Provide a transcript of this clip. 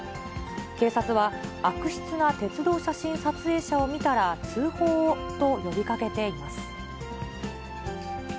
警察は、悪質な鉄道写真撮影者を見たら通報を！と呼びかけています。